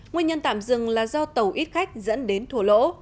nguyên nhân tạm dừng là do tàu ít khách dẫn đến thùa lỗ